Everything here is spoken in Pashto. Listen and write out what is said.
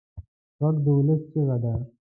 غږ د ولس چیغه ده